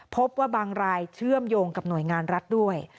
พบว่าบางรายเชื่อมโยงกับหน่วยงานรัฐด้วย